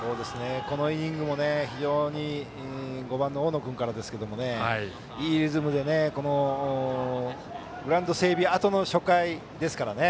このイニングも非常に５番の大野君からですがいいリズムでグラウンド整備のあとの初回ですからね。